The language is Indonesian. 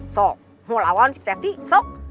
sok mau lawan si petty sok